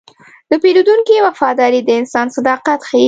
د پیرودونکي وفاداري د انسان صداقت ښيي.